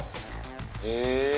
え？